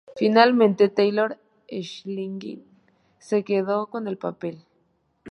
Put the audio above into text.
Finalmente, Taylor Schilling se quedó con el papel.